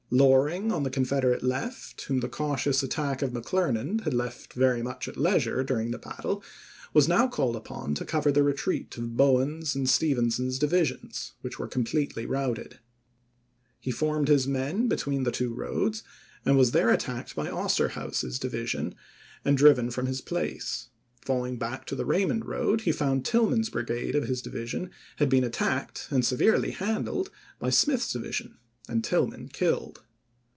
Loring on the Confederate left, whom the cau tious attack of McClernand had left very much at leisure during the battle, was now called upon to cover the retreat of Bowen's and Stevenson's divisions, which were completely routed. He formed his men between the two roads and was there attacked by Osterhaus's division and driven from his place ; falling back to the Kaymond road he found Tilghman's brigade of his division had been attacked and severely handled by Smith's division, and Tilghman killed.